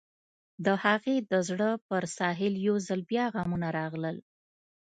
د هغې د زړه پر ساحل يو ځل بيا غمونه راغلل.